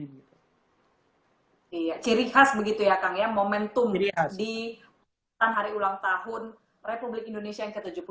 iya ciri khas begitu ya kang ya momentum di hutan hari ulang tahun republik indonesia yang ke tujuh puluh tiga